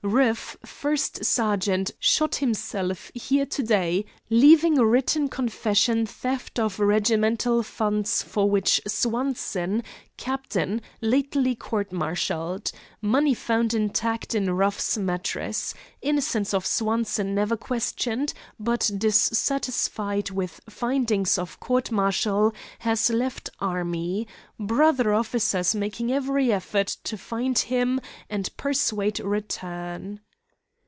"Rueff, first sergeant, shot himself here to day, leaving written confession theft of regimental funds for which Swanson, captain, lately court martialled. Money found intact in Rueff's mattress. Innocence of Swanson never questioned, but dissatisfied with findings of court martial has left army. Brother officers making every effort to find him and persuade return."